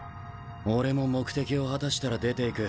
俺も目的を果たしたら出ていく。